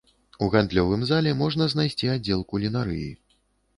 У гандлёвым зале можна знайсці аддзел кулінарыі.